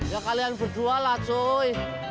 ya kalian berdua lah cuy